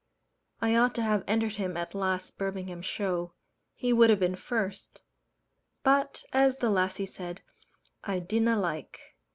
I ought to have entered him at last Birmingham Show he would have been first; but, as the lassie said, I "didna like."